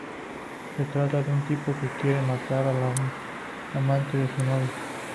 Se trata de un tipo que quiere matar al amante de su novia.